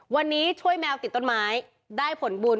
วันนี้ช่วยแมวติดต้นไม้ได้ผลบุญ